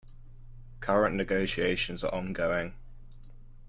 Current negotiations are ongoing.